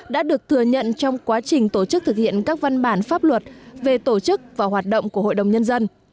đã được thừa nhận trong quá trình tổ chức thực hiện các văn bản pháp luật về tổ chức và hoạt động của hội đồng nhân dân